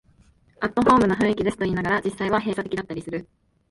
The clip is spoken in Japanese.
アットホームな雰囲気ですと言いながら、実際は閉鎖的だったりする